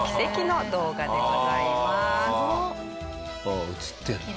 ああ映ってるな。